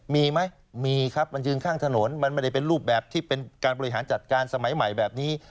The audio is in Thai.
มีไหมมีครับมันยืนข้างถนนมันไม่ได้เป็นรูปแบบที่เป็นการบริหารจัดการสมัยใหม่แบบนี้